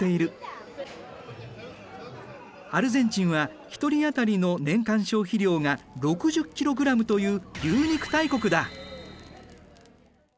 アルゼンチンは１人当たりの年間消費量が６０キログラムという牛肉大国だ。